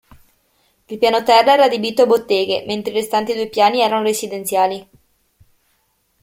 Il piano terra era adibito a botteghe, mentre i restanti due piani erano residenziali.